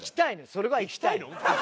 それは行きたい。